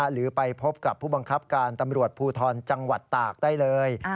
หรือไปพบกับผู้บังคับการตำรวจภูทรจังหวัดตากได้เลย